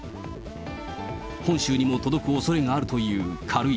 本州にも届くおそれがあるという軽石。